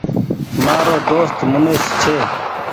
مآرو دوست منيش ڇي